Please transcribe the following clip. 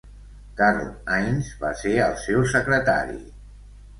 Karl Heinz va ser el seu secretari.